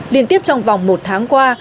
liên tiếp trong vòng một tháng qua